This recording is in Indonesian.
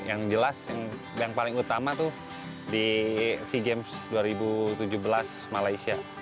yang jelas yang paling utama tuh di sea games dua ribu tujuh belas malaysia